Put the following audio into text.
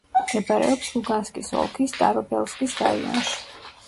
მდებარეობს ლუგანსკის ოლქის სტარობელსკის რაიონში.